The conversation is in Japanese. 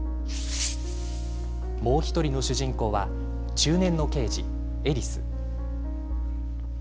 もう１人の主人公は中年の刑事、エリス。